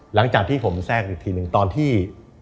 หลังจากที่ผมแทรกอีกทีหนึ่งตอนที่